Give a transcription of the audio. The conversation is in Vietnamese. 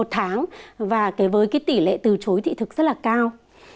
một tháng và với cái tỷ lệ từ chối thị thực rất là cao